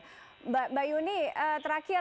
mbak yuni terakhir